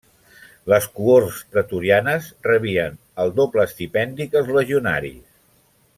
Les cohorts pretorianes rebien el doble estipendi que els legionaris.